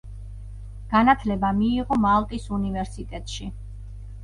განათლება მიიღო მალტის უნივერსიტეტში.